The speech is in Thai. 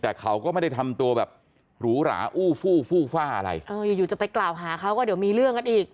แต่เขาก็ไม่ได้ทำตัวแบบหรูหราอู้ฟู้ฟู่ฟ่าอะไรเอออยู่อยู่จะไปกล่าวหาเขาก็เดี๋ยวมีเรื่องกันอีก